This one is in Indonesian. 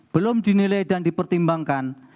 belum dinilai dan dipertimbangkan